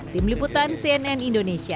tim liputan cnn indonesia